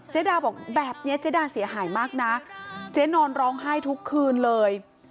ดาบอกแบบนี้เจ๊ดาเสียหายมากนะเจ๊นอนร้องไห้ทุกคืนเลย